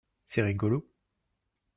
C'est rigolo.